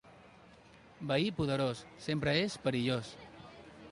Veí poderós, sempre és perillós.